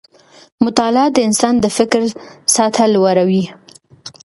مطالعه د انسان د فکر سطحه لوړه وي